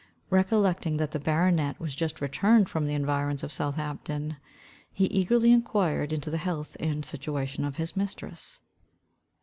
Recollecting that the baronet was just returned from the environs of Southampton, he eagerly enquired into the health and situation of his mistress.